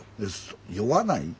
酔わない？